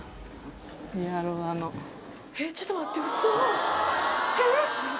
えっちょっと待ってウソえっ？